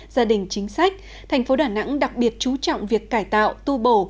gia đình chính sách thành phố đà nẵng đặc biệt chú trọng việc cải tạo tu bổ